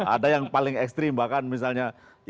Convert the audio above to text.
ada yang paling ekstrim bahkan misalnya